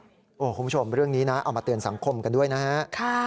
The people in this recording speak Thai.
คุณผู้ชมเรื่องนี้นะเอามาเตือนสังคมกันด้วยนะฮะ